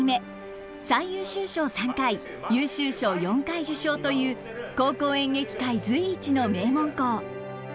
最優秀賞３回優秀賞４回受賞という高校演劇界随一の名門校。